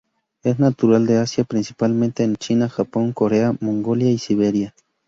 Es natural de Asia principalmente en China, Japón, Corea, Mongolia y Siberia.